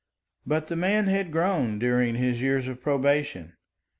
But the man had grown during his years of probation.